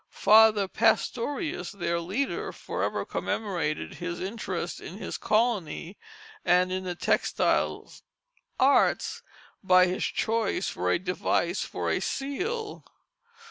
Father Pastorius, their leader, forever commemorated his interest in his colony and in the textile arts by his choice for a device for a seal.